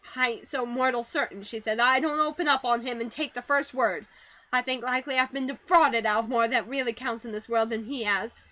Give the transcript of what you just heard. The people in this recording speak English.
"I ain't so mortal certain," she said, "that I don't open up on him and take the first word. I think likely I been defrauded out of more that really counts in this world, than he has.